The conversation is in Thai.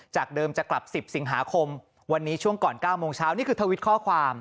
เดิมจะกลับ๑๐สิงหาคมวันนี้ช่วงก่อน๙โมงเช้านี่คือทวิตข้อความ